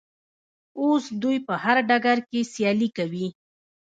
اوس دوی په هر ډګر کې سیالي کوي.